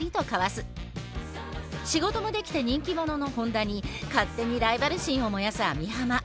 仕事もできて人気者の本田に勝手にライバル心を燃やす網浜。